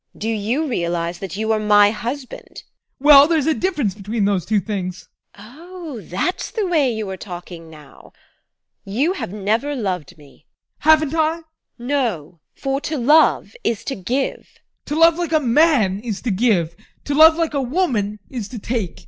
Do you realise that you are my husband? ADOLPH. Well, there's a difference between those two things. TEKLA. Oh, that's the way you are talking now! You have never loved me! ADOLPH. Haven't I? TEKLA. No, for to love is to give. ADOLPH. To love like a man is to give; to love like a woman is to take.